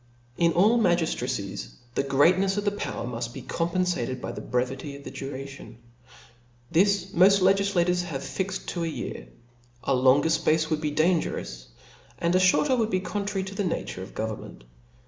In all magiftracies, the greatnefs^ of the power muft be compenfated by the brevity of the duration. This moft Icgiflators have fixed to a year ; a longer fpace would be dangerous, and a fhorter would be contrary to the nature of government.